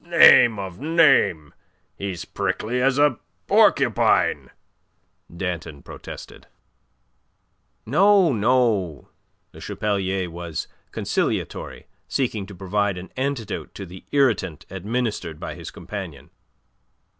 "Name of a name! He's prickly as a porcupine!" Danton protested. "No, no." Le Chapelier was conciliatory, seeking to provide an antidote to the irritant administered by his companion.